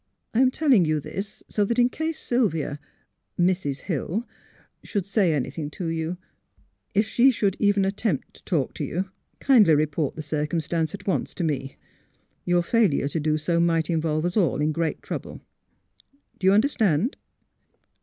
I am telling you this, so that in case Sylvia — Mrs. Hill — should say anything to you If she should even attempt to talk to you, kindly report the circumstance at once to me. Your failure to do so might involve us all in great trouble. Do you understand?